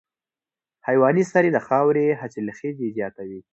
حیواني سرې د خاورې حاصلخېزي زیاتوي.